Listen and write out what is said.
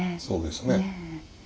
そうですね。